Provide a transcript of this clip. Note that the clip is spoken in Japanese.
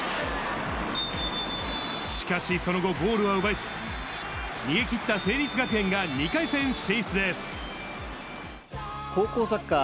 しかし、その後、ゴールは奪えず、逃げきった成立学園が、２回戦進